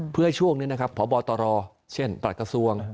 เพื่อให้ช่วงนี้นะครับพบตรเช่นปรัสกัสวง